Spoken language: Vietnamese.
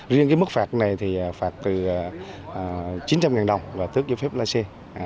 riêng cái mức phạt này thì phạt từ chín trăm linh đồng và tước giới phép la xe